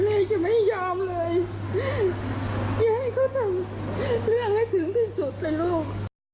แม่จะไม่ยอมเลยจะให้เขาทำเรื่องให้ถึงที่สุดเลยลูก